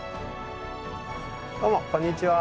どうもこんにちは。